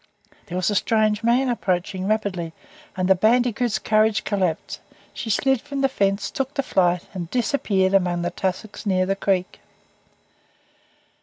There was a strange man approaching rapidly, and the bandicoot's courage collapsed. She slid from the fence, took to flight, and disappeared among the tussocks near the creek.